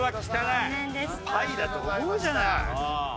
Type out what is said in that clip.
パイだと思うじゃない。